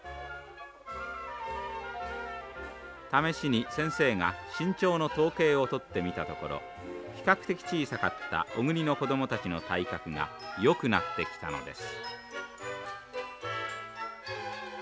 試しに先生が身長の統計をとってみたところ比較的小さかった小国の子供たちの体格がよくなってきたのです。